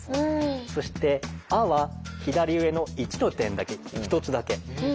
そして「あ」は左上の１の点だけ１つだけ。